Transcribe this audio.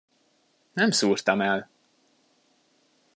Nem szúrtam el!